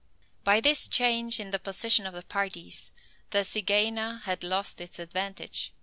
By this change in the position of the parties, the zygaena had lost its advantage.